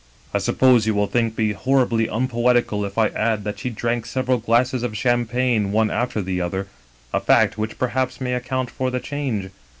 I suppose you will think me horribly unpoetical if I add that she drank several glasses of champagne one after the other, a fact which perhaps may account for the change.